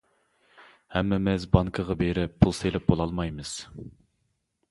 ھەممىز بانكىغا بېرىپ پۇل سېلىپ بولالمايمىز.